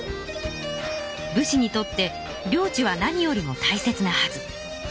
武士にとって領地は何よりもたいせつなはず。